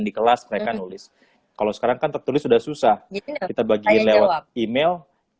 di kelas mereka nulis kalau sekarang kan tertulis sudah susah kita bagiin lewat email